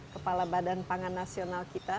kepala badan pangan nasional kita